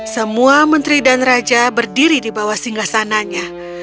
semua menteri dan raja berdiri di bawah singgah sananya